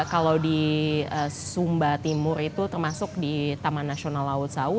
kalau di sumba timur itu termasuk di taman nasional laut sawu